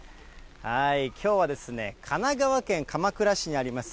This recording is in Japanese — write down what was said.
きょうはですね、神奈川県鎌倉市にあります